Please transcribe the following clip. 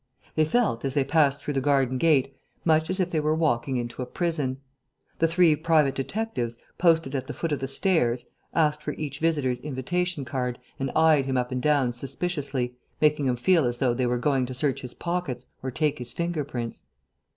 They felt, as they passed through the garden gate, much as if they were walking into a prison. The three private detectives, posted at the foot of the stairs, asked for each visitor's invitation card and eyed him up and down suspiciously, making him feel as though they were going to search his pockets or take his finger prints.